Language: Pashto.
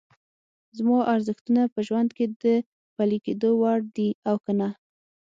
زما ارزښتونه په ژوند کې د پلي کېدو وړ دي او که نه؟